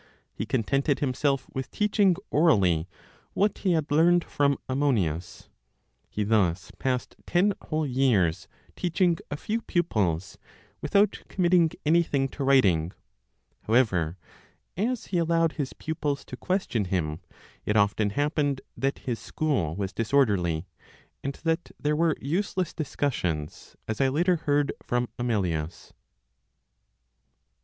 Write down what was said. He contented himself with teaching orally what he had learned from Ammonius. He thus passed ten whole years teaching a few pupils, without committing anything to writing. However, as he allowed his pupils to question him, it often happened that his school was disorderly, and that there were useless discussions, as I later heard from Amelius.